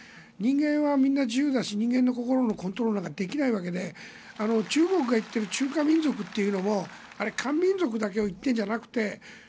人間はみんな自由だし人間の心をコントロールなんてできないわけで中国が言っている中華民族というのも漢民族だけを言っているんじゃなくて６０